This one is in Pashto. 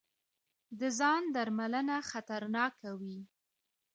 د ځاندرملنه خطرناکه وي.